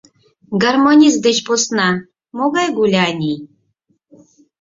Гармонист деч посна могай гуляний?